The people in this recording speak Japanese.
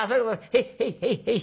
へいへいへいへい。